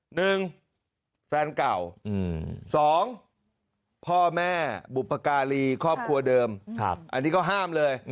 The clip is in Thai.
หนึ่งแฟนเก่าสองพ่อแม่บุพการีครอบครัวเดิมอันนี้ก็ห้ามเลย